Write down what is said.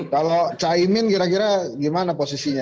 kalau caimin kira kira gimana posisinya